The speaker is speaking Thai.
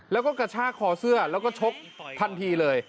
แล้วก็กระชากคอเสื้อแล้วก็ชกทันทีเลย